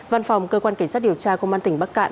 văn phòng cơ quan cảnh sát điều tra công an tỉnh bắc cạn